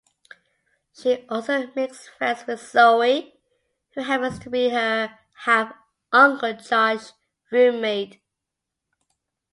She also makes friends with Zoe, who happens to be her half-uncle Josh's roommate.